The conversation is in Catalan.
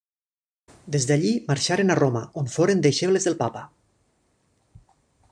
Des d'allí, marxaren a Roma, on foren deixebles del Papa.